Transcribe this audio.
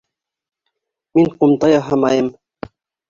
Мин ҡумта яһамайым.